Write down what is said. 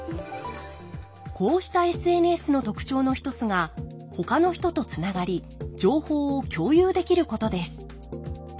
こうしたＳＮＳの特徴の一つがほかの人とつながり情報を共有できることです。